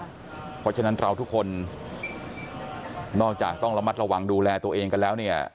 เพราะฉะนั้นเราทุกคนนอกจากต้องระมัดระวังดูแลตัวเองกันแล้วเนี่ย